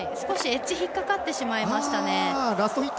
エッジ引っ掛かってしまいましたね。